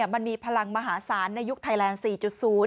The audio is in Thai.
มันมีพลังมหาศาลในยุคไทยแลนด์๔๐